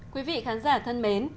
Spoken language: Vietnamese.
quý vị khán giả thân mến